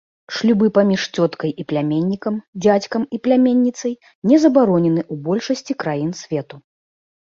Шлюбы паміж цёткай і пляменнікам, дзядзькам і пляменніцай не забаронены ў большасці краін свету.